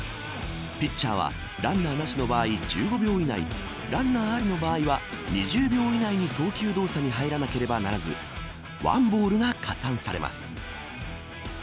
ピッチャーはランナーなしの場合１５秒以内ランナーありの場合は２０秒以内に投球動作に入らなければならず１ボールが加算されます。